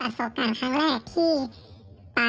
ประสบการณ์ครั้งแรกที่ไปนะครับ